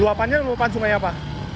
luapannya luapan sungai apa